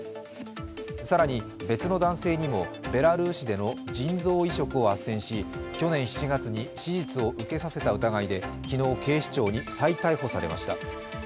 更に、別の男性にもベラルーシでの腎臓移植をあっせんし去年７月に手術を受けさせた疑いで昨日、警視庁に再逮捕されました。